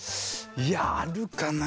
いやあるかな。